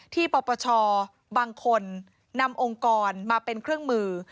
ปปชบางคนนำองค์กรมาเป็นเครื่องมือ